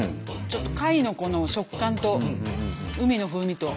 ちょっと貝のこの食感と海の風味と。